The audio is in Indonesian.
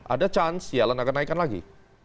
ada chance ya lena akan naikkan lagi